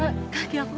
aku pasti akan tempoh